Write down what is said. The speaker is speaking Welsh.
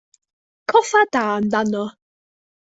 Coffa da amdano.